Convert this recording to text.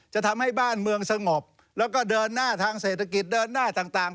จะทำให้บ้านเมืองสงบแล้วก็เดินหน้าทางเศรษฐกิจเดินหน้าต่าง